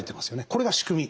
これが仕組み。